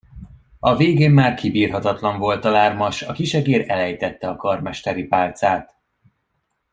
A végén már kibírhatatlan volt a lárma, s a kisegér elejtette a karmesteri pálcát.